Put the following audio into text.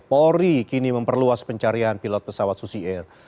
polri kini memperluas pencarian pilot pesawat susi air